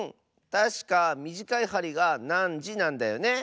たしかみじかいはりが「なんじ」なんだよね。